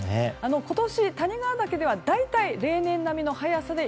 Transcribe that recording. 今年、谷川岳では大体、例年並みの早さで